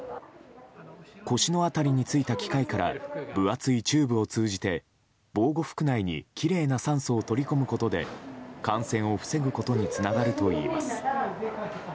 腰の辺りについた機械から分厚いチューブを通じて防護服内にきれいな酸素を取り込むことで感染を防ぐことにつながるといいます。